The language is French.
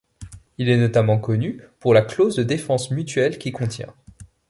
Il est notamment connu pour la clause de défense mutuelle qu'il contient.